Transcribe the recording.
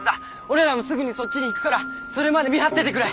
俺らもすぐにそっちに行くからそれまで見張っててくれ。